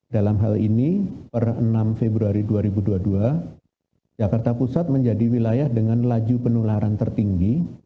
dalam hal ini per enam februari dua ribu dua puluh dua jakarta pusat menjadi wilayah dengan laju penularan tertinggi